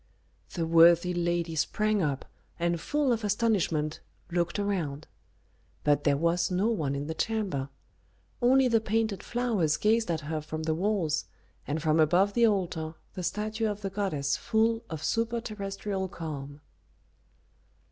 The worthy lady sprang up, and full of astonishment looked around. But there was no one in the chamber. Only the painted flowers gazed at her from the walls, and from above the altar the statue of the goddess full of superterrestrial calm.